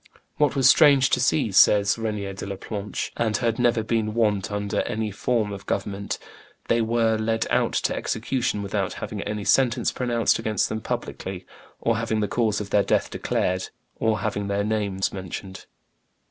..." "What was strange to see," says Regnier de la Planche, "and had never been wont under any form of government, they were led out to execution without having any sentence pronounced against them publicly, or having the cause of their death declared, or having their names mentioned.